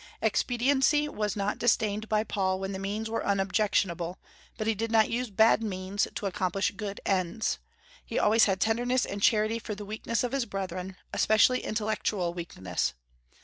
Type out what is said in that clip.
Expediency was not disdained by Paul when the means were unobjectionable, but he did not use bad means to accomplish good ends. He always had tenderness and charity for the weaknesses of his brethren, especially intellectual weakness.